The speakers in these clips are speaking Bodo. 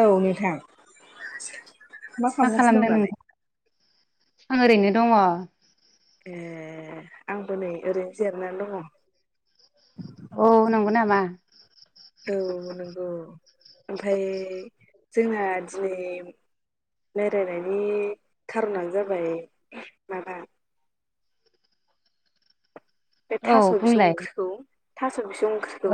औ नोंथां मा मा खालामगासिनो दं खालामदों दालाय नोंथां? आं ओरैनो दङ' ए आंबो नै ओरैनो जिरनानै दङ' औ नंगौ नामा औ नंगौ ओमफाय जोंना दिनै लायरायनायनि खार'नानो जाबाय माबा बे थास' औ बिसं बुंलाय ओंख्रिखौ थास' बिसं ओंख्रिखौ औ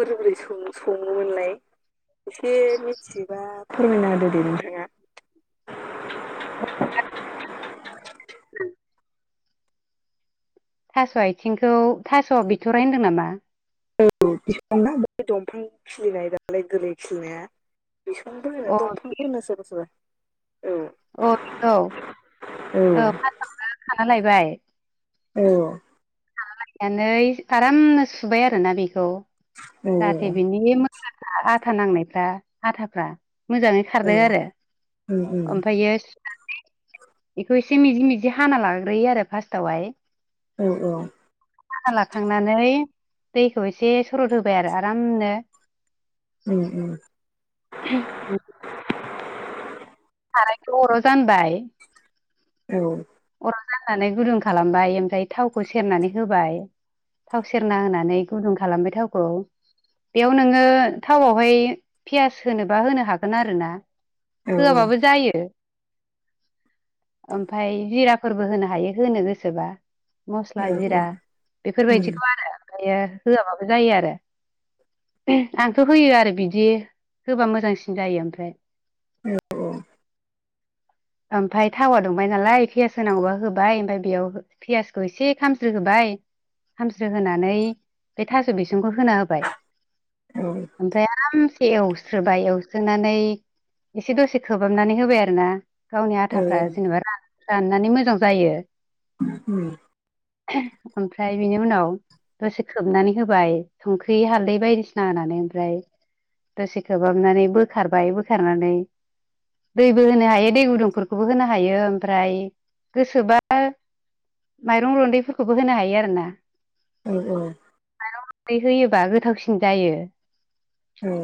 बोरै-बोरै सङो-सङोमोनलाय एसे मिथिबा फोरमायना होदो दे नोंथांआ [unintelligible] [unintelligible] थास' आयथिंखौ थास' बिथ'राय होनदों नामा औ [unintelligible] बे दंफां खिलिनाय दालाय गोरलै खिलिनाया बिसंबो अ होनो दंफांबो होनो सोरबा-सोरबा अ बेखौ औ फारसआवनो खाना लायबाय औ खाना लायनानै आरामनो सुबाय आरोना बेखौ जाहाथे बिनि [unintelligible] आथा नांनायफ्रा आथाफ्रा मोजाङै औ खारबाय आरो औ औ ओमफायो सुनानै बेखौ एसे मिजि-मिजि हाना लाग्रोयो आरो फास्टावहाय औ हाना लाखांनानै दैखौ एसे सरद होबाय आरो आरामनो उम उम सारायखौ अराव जानबाय औ खौ जानानै गुदुं खालामबाय ओमफ्राय थावखौ सेरनानै होबाय। थाव सेरना होनानै गुदुं खालामबाय थावखौ। बेयाव नोङो थावआवहाय पियास होनोबा होनो हागोन आरो ना। औ होआबाबो जायो ओमफाय जिराफोरबो होनो हायो होनो गोसोबा। मस्ला औ जिरा उम बेफोरबायदिखौ आरो ओमफ्रायो होआबाबो जायो आरो। आंथ' होयो आरो बिदि होबा मोजांसिन जायो ओमफ्राय औ ओमफाय थावा दुंबाय नालाय पियास होनांगौबा होबाय ओमफाय बेयाव पियासखौ एसे खामस्रो होबाय। खामस्रो होनानै बे थास' बिसंखौ होना होबाय। औ उम ओमफाय आरामसे एव स्रोबाय एवस्रोनानै एसे दसे खोबाबनानै होबाय आरो ना गावनि आथाफ्रा जेनेबा रान-राननानै मोजां जायो। [unintelligible] उम [unintelligible] ओमफ्राय बिनि उनाव दसे खोबनानै होबाय संख्रि हालदै बायदिसिना होनानै ओमफ्राय। दसे खोबाबनानै बोखारबाय बोखारनानै दैबो होनो हायो दै गुदुंफोरखौबो होनो हायो। फ्राय गोसोबा माइरं रन्दैफोरखौबो होनो हायो आरो ना औ औ दै होयोबा गोथावसिन जायो। औ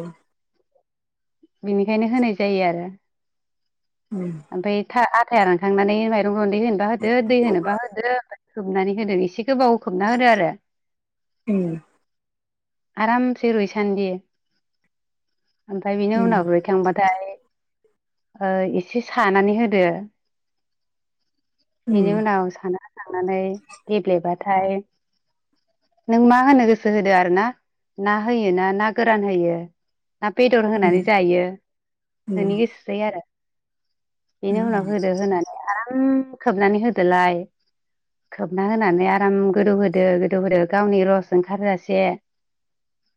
बेनिखायनो होनाय जायो आरो उम ओमफाय था-आथाया रा खांनानै माइरं रन्दै होनोबा होदो दै होनोबा जब्रा होदो ओमफ्राय सोबनानै होदो एसे गोबाव खोबना होदो आरो उम आरामसे रूइसानदि ओमफ्राय बिनि उम उनाव रुइखांबाथाय ओ एसे सानानै होदो। बेनि उम उनाव साना होखांनानै गेब्लेबाथाय। नों मा होनो गोसो होदो आरो ना ना होयोना ना गोरान होयो ना बेदर उम होनानै जायो उम उम नोंनि गोसोसै आरो। बेनि उम उनाव होदो होनानै आराम खोबनानै होदोलाय। खोबना होनानै आराम गोदौ होदो गोदौ होदो गावनि रस ओंखारजासे। [inaudible]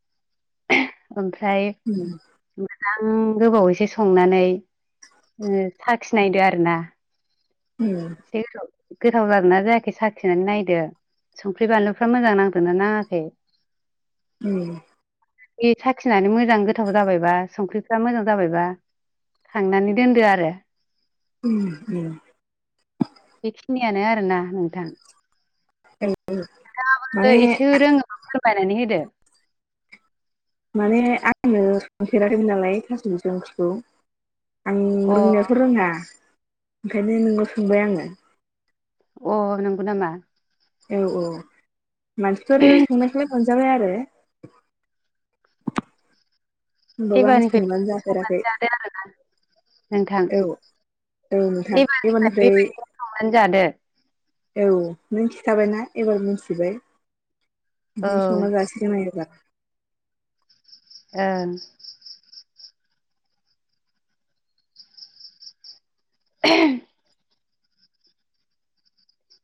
ओमफ्राय उम औ जां गोबाव एसे संनानै ओ साखिनायदो आर ना। उम। गोथाव जादोंना जायाखै साखिनानै नायदो। संख्रि बानलुफ्रा मोजां नांदोंना नाङाखै। औ। बे साखिनानै मोजां गोथाव जाबायबा संख्रिफ्रा मोजां जाबायबा। खांनानै दोनदो आरो। [inaudible] यानो आरोना नोंथां। माने बायनानै होदो। माने आंनो संफेराखैमोन नालाय थास' बिस ओंख्रिखौ। आं अ रोंनायाथ' रोङा ओंखायनो नोंनाव सोंबाय आङो। अ नंगो नामा? औ औ मानसिफोर संनायखौलाय मोनजाबाय आरो होमबाबो आं एबानि [unintelligible] संनानै बिदि जाफेराखै जादो आरो ना नोंथां औ औ नोंथां एबारनिफ्राय बेबायदि [unintelligible] संनानै जादो औ मिथिखाबायना एबार मिथिबाय औ बिदिनो संना जासिगोन आं एबार ओं [inaudible]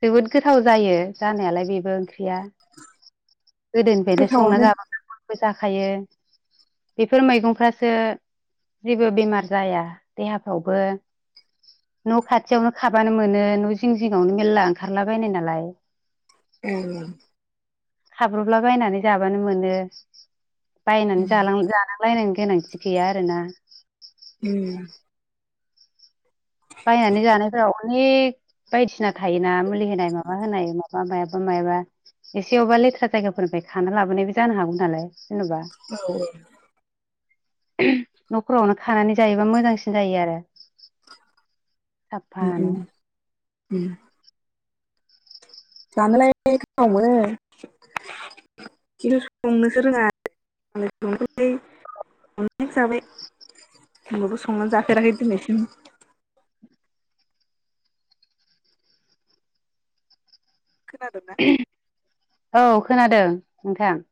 जोबोद गोथाव जायो जानायालाय बेबो ओंख्रिया गोदोनिफ्रायनो संना गोथावानो जा [unintelligible] जाखायो बेफोर मैगंफ्रासो जेबो बेमार जाया देहाफ्रावबो न' खाथियावनो खाबानो मोनो न' जिं जिङावनो मेरला ओंखारलाबायनाय नालाय [unintelligible] खाब्रबला बायनानै जाबानो मोनो बायनानै जालां जानांलायनाय गोनांथि गैया आरोना उम बायनानै जानायफोराव अनेक बायदिसिना थायोना मुलि होनाय माबा होनाय मा मायाबा मायाबा एसेयावबा लेथ्रा जायगाफोरनिफ्राय खाना लाबोनायबो जानो हागौ नालाय औ औ न'खरावनो खानानै जायोबा मोजांसिन जायो आरो उ उ साफानो उम जानोलाय गोथाव मोनो खिन्थु संनोसो रोङा मालाय सं [unintelligible] अनेख जाबाय [unintelligible] बो संनानै जाफेराखै दिनैसिम खोनादोंना औ खोनादों नोंथां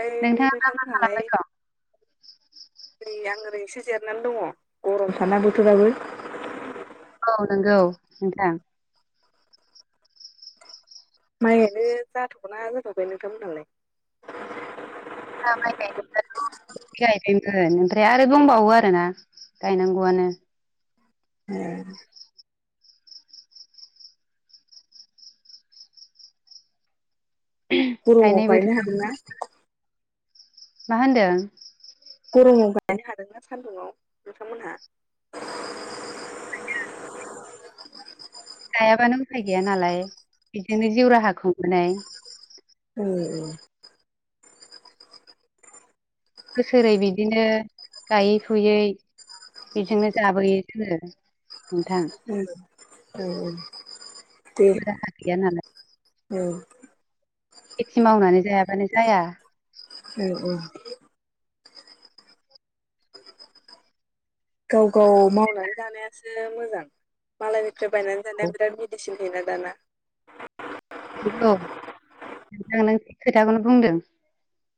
ओमफ्राय नोंथाङा खालामबाय नोंथांमोनहालाय दं ओरै आं ओरै [unintelligible] [unintelligible] नानै दङ गरम साना बोथोराबो औ नंगौ नोंथां। माइ गायनो जाथगौ ना जाथ'आखै नोंथां मोनहालाय? [unintelligible] गोन ओमफ्राय आरो दंबावो आरो ना गायनांगौआनो। [unintelligible] गुर'माव गायनाय बोथोर गायनो हादोंना? मा होनदों? गर'माव गायनो हादों ना सान्दुंआव नोंथांमोनहा? [inaudible] गायाबानो उफाय गैया नालाय बेजोंनो जिउ राहा खुंबोनाय। ओ बोसोरै बिदिनो गायै फुयै बेजोंनो जाबोयो जोङो। नोंथां उम औ औ दे जेबो राहा गैया नालाय। औ खेथि मावनानै जायाबानो जाया। उम उम गाव गाव मावनानै जानायासो मोजां मालायनिफ्राय बायनानै औ जानाया बिराद मेडिसिन होयोना दाना [unintelligible] गौ नों नों थिख खोथाखौनो बुंदों।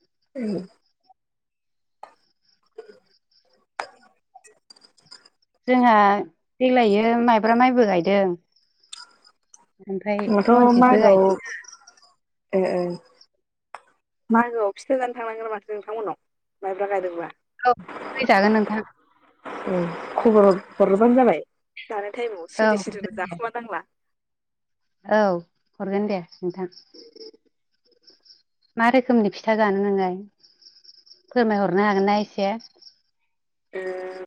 [unintelligible] [inaudible] जोंहा देग्लायायो माइब्रा माइबो गायदों। ओमफाय जोंहाथ' रनजिथबो मागोआव गायदों जोंहा। ओ ओ। मागोआव फिथा जानो थांनांगोन माथो नोंथांमोननाव माइब्रा गायदोंबा। औ फैजागोन नोंथां। औ खबर हरोबानो जाबाय जानाय टायमाव सिरि सिरिनो औ जाखोमा नांला। औ हरगोन दे नोंथां। मा रोखोमनि फिथा जानो नोंलाय? फोरमायहरनो हागोनना एसे उम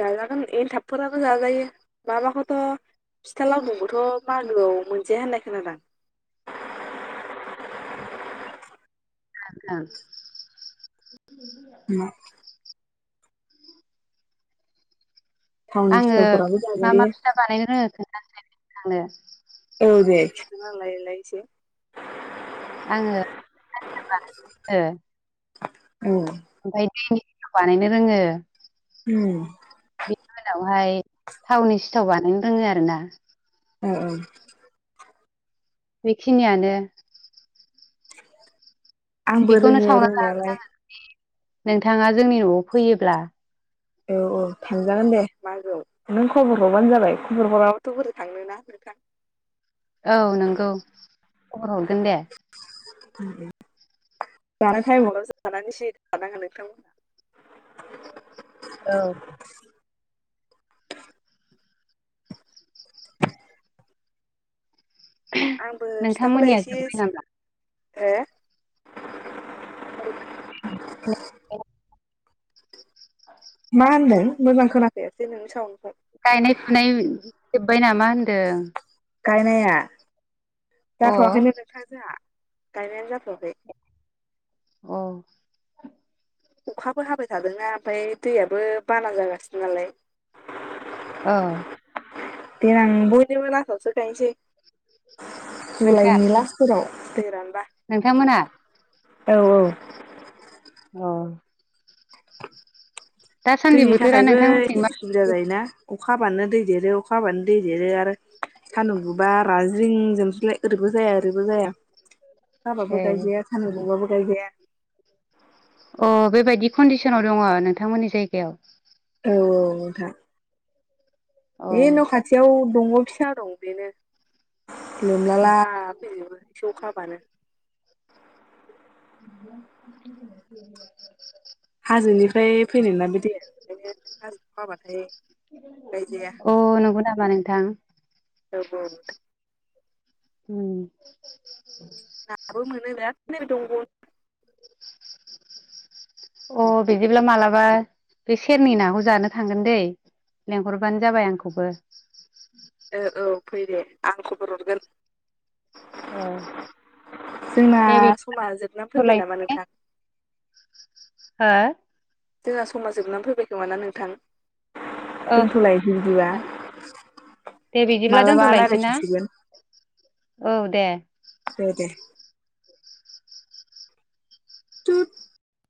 जाजागोन एनथाबफोराबो जाजायो माबाखौथ' फिथा लावदुमखौथ' मागोआव मोनजाया होननाय खोनादां। [unintelligible] थावनि आङो सिथावफोराबो मा मा जाजायो फिथा बानायनो रोङो खोन्थानोसै नोंथांनो। औ दे खिथा ना लायलाय एसे आङो फिथा एनथाब बानायनो रोङो। उम ओमफाय दैनि सिथाव बानायनो रोङो। उम बिनि उनावहाय थावनि सिथाव बानायनो रोङो आरो ना। ओ औ बेखिनियानो। आंबो बेखौनो रोङो सावना रोंनायालाय जाहोगोन आङो। नोंथाङा जोंनि न'आव फैयोब्ला। औ औ थांजागोन दे मागोआव नों खबर हरबानो जाबाय। खबर हराबाथ' बोरै थांनो ना नोंथां। [inaudible] औ नंगौ खबर हरगोन दे। जानाय टायमावल' जानानै सिरि थानाङा नोंथां मोनहा। औ [inaudible] आंबो फिथाखौलाय नोंथांमोननिया एसे जोब्बाय नामा हो [unintelligible] मा होनदों मोजां खोनाखायासै नोंनि सावोन गायनाय फुनाय जोबबाय नामा होनदों? गायनाया अ जाथवाखैनो नोंथां जोंहा। गायनायानो जाथयाखै। अ अखाबो हाबाय थादों ना ओमफाय दैयाबो बाना जागासिनो नालाय। अ देनां बयनोबो लासावसो गायनोसै नोंसा जुलाइनि लास्ट फोराव। दै रानबा नोंथांमोना? औ औ अ दासान्दि दैनि बोथोरा थाखायबो नोंथांमोनथिं एसे मा उसुबिदा जायोना। अखाबानो दै देरो अखााबानो दै देरो आरो सानदुं गुबा राज्रिं जोबसैलाय। ओरैबो जाया ओरैबो जाया ए हाबाबो गायजाया सान्दुंबाबो गायजाया। अ बेबायदि कन्डिसनाव दङ नोंथांमोननि जायगायाव। औ औ नोंथां। अ ए न खाथियाव दङ फिसा दं बेनो। लोमला ला फैजोबो एसे अखाबानो। [unintelligible] जोनिफ्राय फैनायना बे दैया [unintelligible] गायजाया अ नंगौ नामा नोंथां। औ औ उम नाबो मोनो ना [unintelligible] अ बिदिब्ला मालाबा बे सेरनि नाखौ जानो थांगोन दैे। लेंहरबानो जाबाय आंखौबो। ओ औ फै दे आं खबर हरगोन। औ जोंना दे बिदिब्ला दोनथ'लायनोसै समा जोबना फैबाय नामा नोंथां। हो जोंहा समा जोबनानै फैबाय खोमाना नोंथां औ दोनथलाय बिदिबा। दे बिदिब्ला मालाबा दोनथलायसै ना? रायलायफिनसिगोन औ दे दे टुट